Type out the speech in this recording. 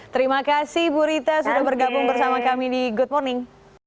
terima kasih bu rita sudah bergabung bersama kami di good morning